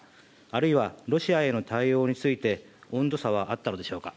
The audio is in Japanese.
あるいは、ロシアへの対応について、温度差はあったのでしょうか。